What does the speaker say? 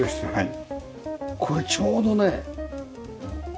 これちょうどねほら。